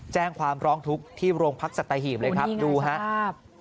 แจ้งความร้องทุกข์ที่โรงพักสัตหีบเลยครับดูครับ